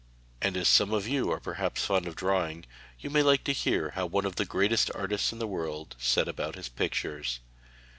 And as some of you are perhaps fond of drawing, you may like to hear how one of the greatest artists in the world set about his pictures.